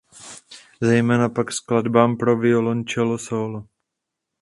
Zejména pak skladbám pro violoncello sólo.